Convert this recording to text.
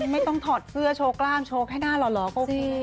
ไม่ต้องถอดเสื้อโชกร่างโชกให้หน้ารอลอง